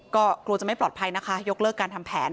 ก็กลัวจะไม่ปลอดภัยนะคะยกเลิกการทำแผน